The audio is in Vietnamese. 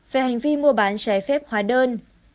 về hành vi mua bán trái phép hóa đơn